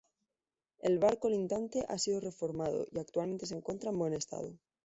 El bar colindante ha sido reformado y actualmente se encuentra en buen estado.